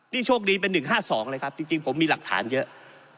นี่โชคดีเป็น๑๕๒เลยครับจริงผมมีหลักฐานเยอะ